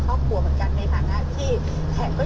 ของคุณพ่อพวิเคราะห์หรือค่ะ